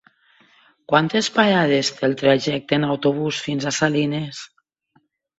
Quantes parades té el trajecte en autobús fins a Salines?